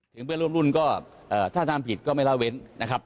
เพื่อนร่วมรุ่นก็ถ้าทำผิดก็ไม่ละเว้นนะครับ